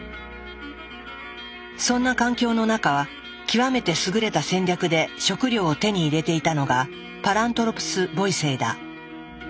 そんな環境の中極めて優れた戦略で食料を手に入れていたのがパラントロプス・ボイセイだ。